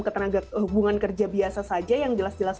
ketenagahubungan kerja biasa saja yang jelas jelas